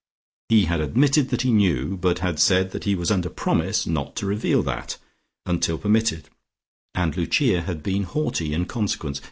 He had admitted that he knew, but had said that he was under promise not to reveal that, until permitted and Lucia had been haughty in consequence.